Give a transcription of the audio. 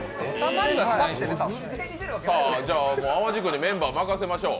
淡路君にメンバー任せましょう。